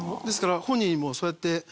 ですから本人もそうやって。